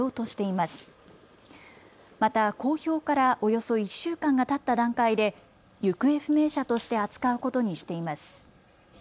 また公表からおよそ１週間がたった段階で行方不明者として扱うことにしています。